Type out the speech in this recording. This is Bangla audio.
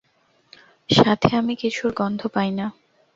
সাথে আমি কিছুর গন্ধ পাইনা।